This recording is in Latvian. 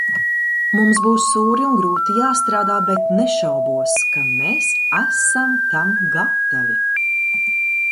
Mums būs sūri un grūti jāstrādā, bet nešaubos, ka mēs esam tam gatavi.